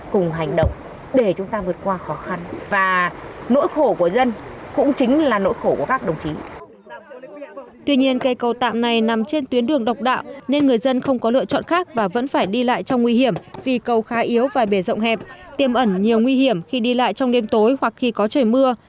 các em học sinh xã đông sơn cũng có lựa chọn khác và vẫn phải đi lại trong nguy hiểm vì cầu khá yếu và bể rộng hẹp tiêm ẩn nhiều nguy hiểm khi đi lại trong đêm tối hoặc khi có trời mưa